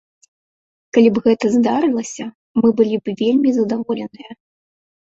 Калі б гэта здарылася, мы былі б вельмі задаволеныя.